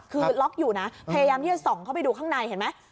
คือล็อกอยู่นะพยายามที่จะส่องเข้าไปดูข้างในเห็นไหม